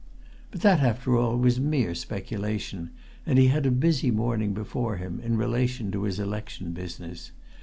But that, after all, was mere speculation, and he had a busy morning before him, in relation to his election business.